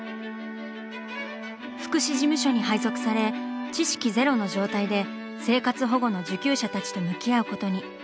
福祉事務所に配属され知識ゼロの状態で生活保護の受給者たちと向き合うことに。